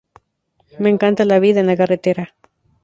Me encanta la vida en la carretera.